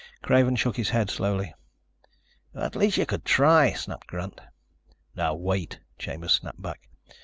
Craven shook his head slowly. "At least you could try," snapped Grant. "Now, wait," Chambers snapped back.